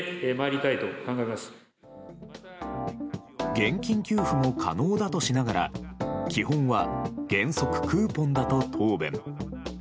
現金給付も可能だとしながら基本は原則クーポンだと答弁。